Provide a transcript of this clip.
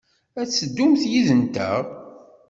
Ad teddumt yid-nteɣ?